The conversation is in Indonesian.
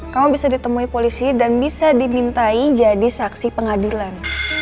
kamu bisa ditemui polisi dan bisa dimintai jadi saksi pengadilan